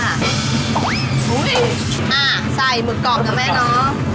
อ่ะใส่เมื่อกรอบนะแม่น้อง